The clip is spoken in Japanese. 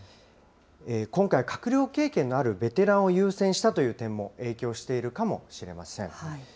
今回、閣僚経験のあるベテランを優先したという点も影響しているかもしれません。